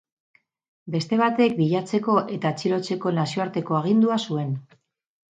Beste batek bilatzeko eta atxilotzeko nazioarteko agindua zuen.